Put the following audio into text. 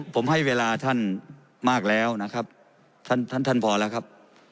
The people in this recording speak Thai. ผมให้เวลาท่านมากแล้วนะครับท่านท่านพอแล้วครับ